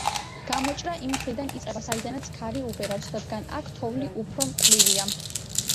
გამოჭრა იმ მხრიდან იწყება, საიდანაც ქარი უბერავს, რადგან აქ თოვლი უფრო მკვრივია.